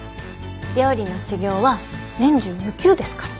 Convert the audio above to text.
料理の修業は年中無休ですから。